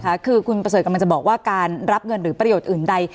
คือคุณประเสริฐกำลังจะบอกว่าการรับเงินหรือประโยชน์อื่นใด